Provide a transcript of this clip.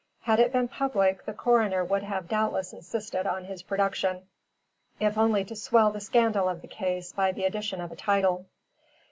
Had it been public the Coroner would have doubtless insisted on his production, if only to swell the scandal of the case by the addition of a title.